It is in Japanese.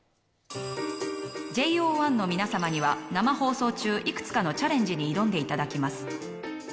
ＪＯ１の皆さまには生放送中いくつかのチャレンジに挑んでいただきます。